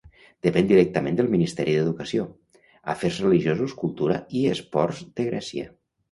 Depèn directament del Ministeri d'Educació, Afers Religiosos, Cultura i Esports de Grècia.